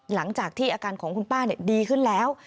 หลังจากที่อาการของคุณป้าดีขึ้นแล้ว